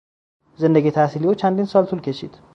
زندگی تحصیلی او چندین سال طول کشید.